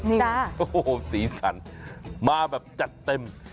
นี่จ้าโอ้โหสีสันมาแบบจัดเต็ม